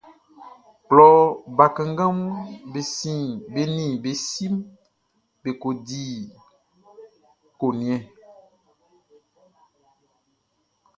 Klɔ bakannganʼm be nin be siʼm be kɔ di ko njɛn.